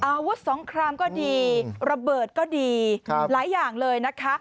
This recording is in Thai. อาวุธสงครามก็ดีระเบิดก็ดีหลายอย่างเลยนะคะ